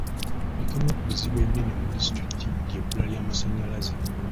Ekimu ku bizibu ebinene mu disitulikiti ly'ebbula ly'amasannyalaze.